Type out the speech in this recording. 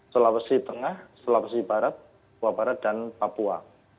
sulawesi tengah sulawesi barat kewaparat dan papua